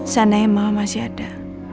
sanae mama masih ada